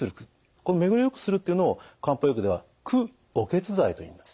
この巡りをよくするっていうのを漢方薬では駆血剤といいます。